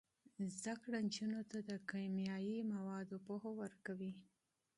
زده کړه نجونو ته د کیمیاوي موادو پوهه ورکوي.